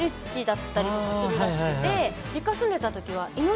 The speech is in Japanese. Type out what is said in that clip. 実家住んでたときは。